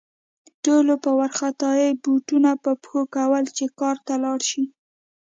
ټولو په وارخطايي بوټونه په پښو کول چې کار ته لاړ شي